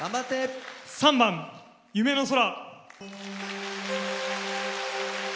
３番「夢の空」。